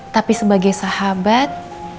tapi sebagai sahabat